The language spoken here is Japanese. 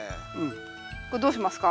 これどうしますか？